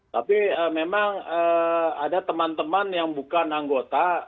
tapi memang ada teman teman yang bukan anggota